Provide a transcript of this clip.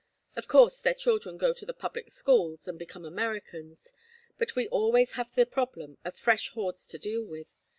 Of course their children go to the public schools, and become Americans, but we always have the problem of fresh hordes to deal with.